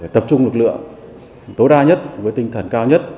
tập trung lực lượng tối đa nhất với tinh thần cao nhất